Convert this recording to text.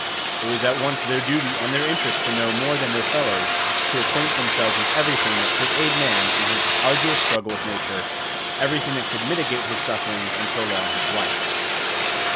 It was at once their duty and their interest to know more than their fellows, to acquaint themselves with everything that could aid man in his arduous struggle with nature, everything that could mitigate his sufferings and prolong his life.